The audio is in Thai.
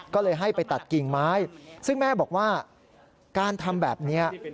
ก็เลยให้ไปตัดกิ่งไม้ซึ่งแม่บอกว่าการทำแบบนี้